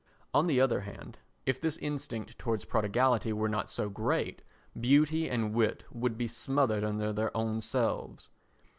On the other hand, if this instinct towards prodigality were not so great, beauty and wit would be smothered under their own selves.